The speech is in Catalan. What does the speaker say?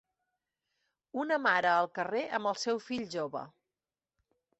Una mare al carrer amb el seu fill jove